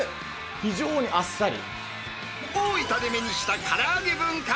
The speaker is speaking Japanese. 非常にあっさり。